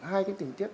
hai cái tình tiết